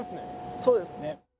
そうですね。